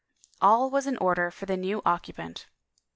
All was in order for the new occu pant.